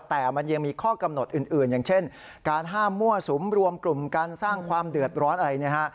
แต่มันยังมีข้อกำหนดอื่นอย่างเช่นการห้ามมั่วสุมรวมกลุ่มการสร้างความเดือดร้อนอะไรนะฮะ